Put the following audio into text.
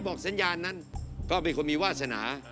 สัญญาณนั้นก็เป็นคนมีวาสนา